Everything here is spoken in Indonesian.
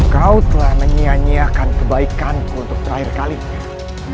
kau telah menyia nyiakan kebaikanku untuk terakhir kalinya